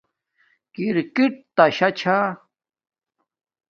کِرکِٹ تݳ شݳ چھݳ.